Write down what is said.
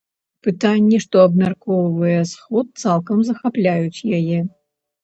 Пытанні, што абмяркоўвае сход, цалкам захапляюць яе.